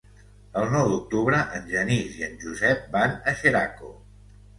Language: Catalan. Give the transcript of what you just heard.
El nou d'octubre en Genís i en Josep van a Xeraco.